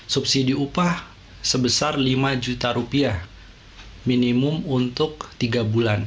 subsidi upah sebesar lima juta rupiah minimum untuk tiga bulan